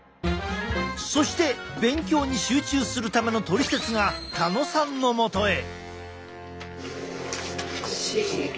そして勉強に集中するためのトリセツが田野さんのもとへ。